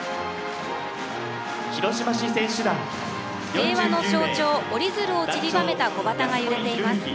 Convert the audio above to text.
平和の象徴折り鶴をちりばめた小旗が揺れています。